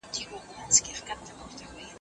دا حقوقي ستونزې پیدا کوي.